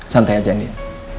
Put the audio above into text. santai aja andin